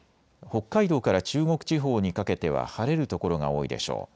北海道から中国地方にかけては晴れる所が多いでしょう。